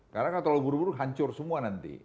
karena kalau buru buru hancur semua nanti